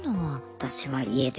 私は家で。